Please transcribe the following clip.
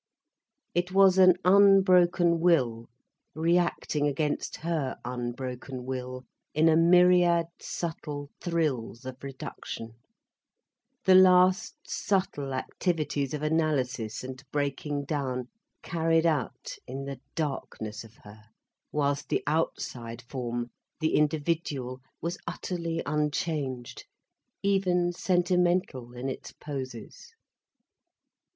It was an unbroken will reacting against her unbroken will in a myriad subtle thrills of reduction, the last subtle activities of analysis and breaking down, carried out in the darkness of her, whilst the outside form, the individual, was utterly unchanged, even sentimental in its poses.